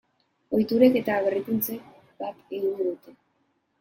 Ohiturek eta berrikuntzek bat egingo dute.